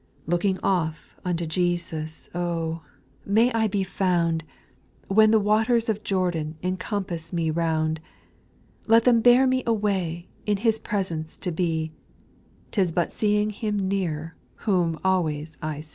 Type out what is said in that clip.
6. Looking off unto Jesus Oh I may I be found, When the waters of Jordan Encompass me round ! Let them bear me away, In His presence to be : 'T is but seeing Him nearer Whom always I sec.